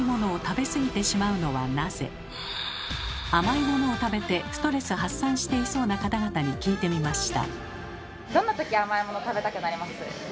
甘いものを食べてストレス発散していそうな方々に聞いてみました。